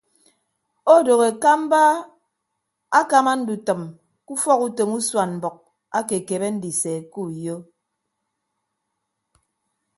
Odooho ekamba akama ndutʌm ke ufọk utom usuan mbʌk ake ekebe ndise uyo.